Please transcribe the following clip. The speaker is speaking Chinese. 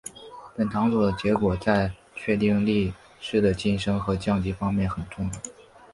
本场所的结果在确定力士的晋升和降级方面很重要。